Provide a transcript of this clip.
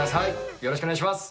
よろしくお願いします！